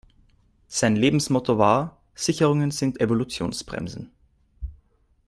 Sein Lebensmotto war: Sicherungen sind Evolutionsbremsen.